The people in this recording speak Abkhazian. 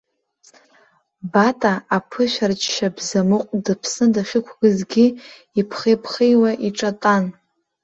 Бата аԥышәырчча бзамыҟә дыԥсны дахьықәызгьы иԥхеиԥхеиуа иҿатәан.